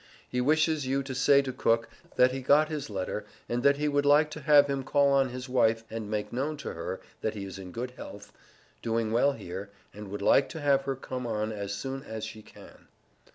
He wishes you to say to Cook, that he got his letter, and that he would like to have him call on his wife and make known to her, that he is in good health, doing well here, and would like to have her come on as soon as she can.